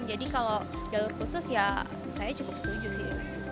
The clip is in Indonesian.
jadi kalau jalur khusus ya saya cukup setuju sih